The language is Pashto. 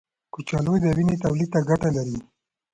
کچالو د وینې تولید ته ګټه لري.